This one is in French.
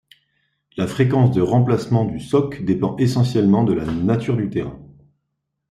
La fréquence de remplacement du soc dépend essentiellement de la nature du terrain.